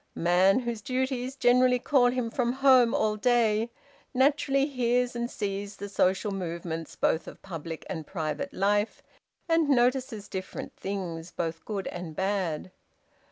Man, whose duties generally call him from home all the day, naturally hears and sees the social movements both of public and private life, and notices different things, both good and bad.